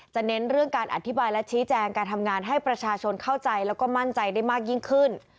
เน้นเรื่องการอธิบายและชี้แจงการทำงานให้ประชาชนเข้าใจแล้วก็มั่นใจได้มากยิ่งขึ้น